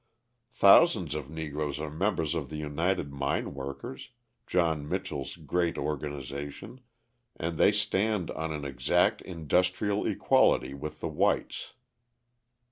Thousands of Negroes are members of the United Mine Workers, John Mitchell's great organisation, and they stand on an exact industrial equality with the whites.